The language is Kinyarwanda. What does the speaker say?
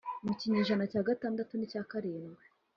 mu kinyejana cya gatandatu n’icya karindwi